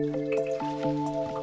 ya bagus kagum gitu ya